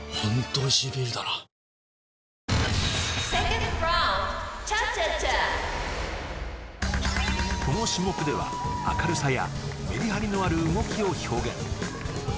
このあとこの種目では明るさやメリハリのある動きを表現